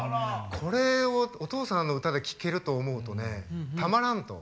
これをお父さんの歌で聴けると思うとねたまらんと。